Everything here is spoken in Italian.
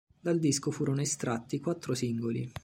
Dal disco furono estratti quattro singoli.